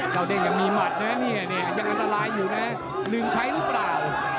เด้งยังมีหมัดนะเนี่ยยังอันตรายอยู่นะลืมใช้หรือเปล่า